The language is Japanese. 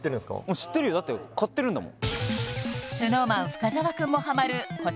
知ってるよ買ってるんだもん